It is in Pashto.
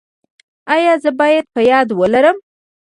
ایا زه باید په یاد ولرم؟